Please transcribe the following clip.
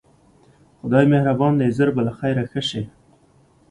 خدای مهربان دی ژر به له خیره ښه شې.